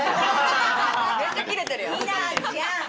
めっちゃキレてる。